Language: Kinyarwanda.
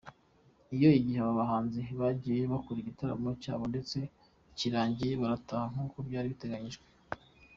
Iyo gihe aba bahanzi bagiyeyo bakora igitaramo cyabo ndetse kirangiye barataha nkuko byari biteganyijwe.